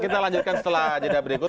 kita lanjutkan setelah jeda berikut